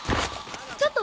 ちょっと！